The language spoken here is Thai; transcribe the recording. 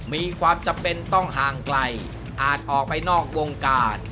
มีความจำเป็นต้องห่างไกลอาจออกไปนอกวงการ